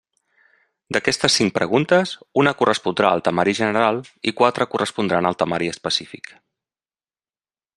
D'aquestes cinc preguntes, una correspondrà al temari general i quatre correspondran al temari específic.